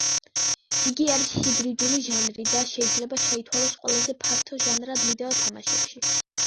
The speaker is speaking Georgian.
იგი არის ჰიბრიდული ჟანრი და შეიძლება ჩაითვალოს ყველაზე ფართო ჟანრად ვიდეო თამაშებში.